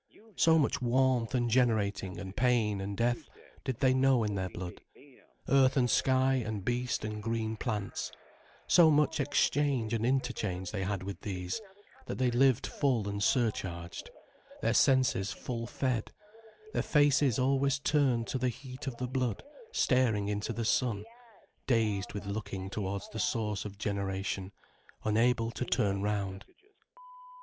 So much warmth and generating and pain and death did they know in their blood, earth and sky and beast and green plants, so much exchange and interchange they had with these, that they lived full and surcharged, their senses full fed, their faces always turned to the heat of the blood, staring into the sun, dazed with looking towards the source of generation, unable to turn round.